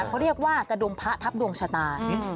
เขาเรียกว่ากระดุมพระทับดวงชะตา